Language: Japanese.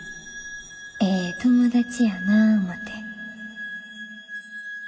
ええ友達やなぁ思て。